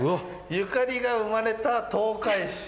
「ゆかり」が生まれた東海市。